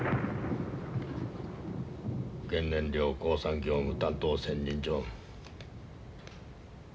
原燃料鉱産業務担当専任常務。